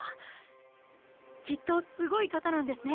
きっとすごい方なんですね。